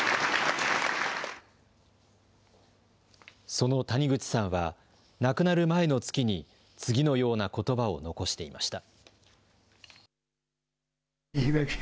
その谷口さんは亡くなる前の月に次のようなことばを残していました。